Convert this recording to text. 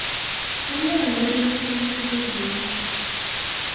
Anwa iwalan isallen ass-agi?